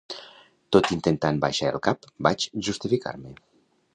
Tot intentant baixar el cap, vaig justificar-me.